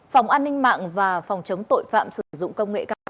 phòng an ninh mạng và phòng chống tội phạm sử dụng công nghệ cao công an